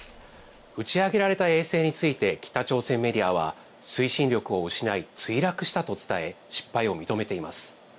打ち上げられた衛星について、北朝鮮メディアは推進力を失い、墜落したと伝え、失敗を認めています。